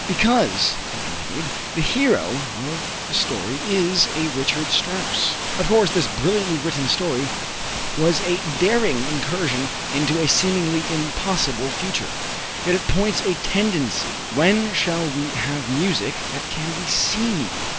"Because," he continued, "the hero of the story is a Richard Strauss." Of course, this brilliantly written story was a daring incursion into a seemingly impossible future. Yet it points a tendency. When shall we have music that can be seen?